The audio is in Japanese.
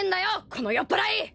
この酔っぱらい！